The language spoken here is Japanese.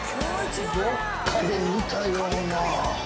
どっかで見たような。